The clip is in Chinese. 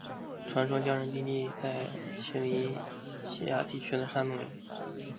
传说降生之地在奇里乞亚地区的山洞里。